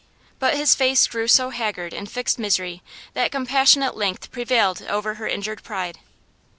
But his face grew so haggard in fixed misery that compassion at length prevailed over her injured pride.